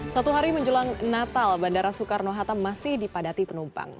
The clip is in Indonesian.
satu hari menjelang natal bandara soekarno hatta masih dipadati penumpang